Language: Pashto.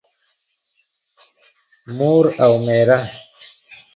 مور او مېره